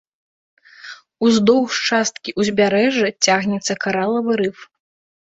Уздоўж часткі ўзбярэжжа цягнецца каралавы рыф.